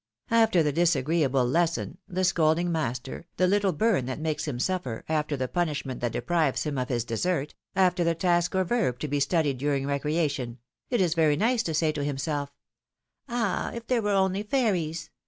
After the disagreeable lesson, the scolding master, the little burn that makes him suffer, after the punishment that deprives him of his dessert, after the task or verb to be studied during recreation — it is very nice to say to himself : ^^Ah ! if there were only fairies